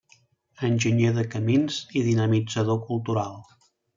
Enginyer de camins i dinamitzador cultural.